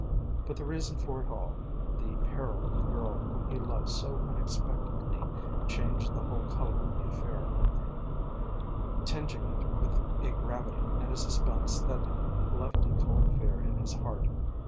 But the reason for it all, the peril of the girl whom he loved so unexpectedly, changed the whole colour of the affair, tinging it with a gravity and a suspense that left a cold fear in his heart.